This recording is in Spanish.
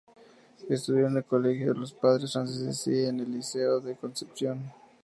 Estudió en el Colegio de los Padres Franceses y en el Liceo de Concepción.